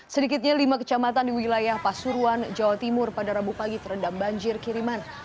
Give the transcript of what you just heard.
sedikitnya lima kecamatan di wilayah pasuruan jawa timur pada rabu pagi terendam banjir kiriman